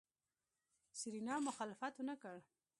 سېرېنا مخالفت ونکړ.